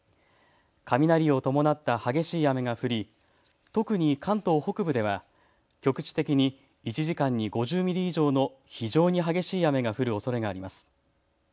雷を伴った激しい雨が降り特に関東北部では局地的に１時間に５０ミリ以上の非常に激しい雨が降るおそれがあります。